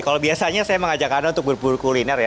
kalau biasanya saya mengajak anda untuk berburu kuliner ya